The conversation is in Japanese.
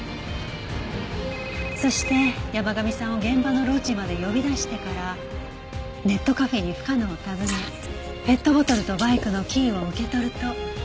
そして山神さんを現場のロッジまで呼び出してからネットカフェに深野を訪ねペットボトルとバイクのキーを受け取ると。